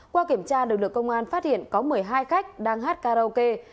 qua kiểm tra được được công an phát hiện có một mươi hai khách đang hát karaoke